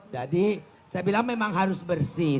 jadi saya bilang memang harus bersih